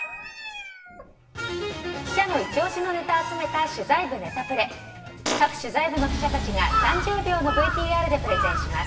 各取材部の記者たちが３０秒のＶＴＲでプレゼンします。